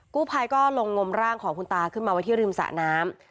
กู้ภัยก็ลงงมร่างของคุณตาขึ้นมาไว้ที่ริมสระน้ำ